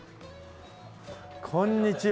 こんにちは。